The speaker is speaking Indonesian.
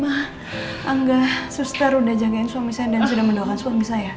angga suster udah jagain suami saya dan sudah mendoakan suami saya